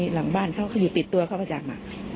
หลังบ้านเขาก็อยู่ติดตัวเข้ามาจากหมา